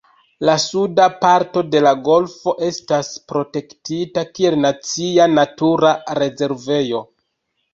La suda parto de la golfo estas protektita kiel nacia natura rezervejo.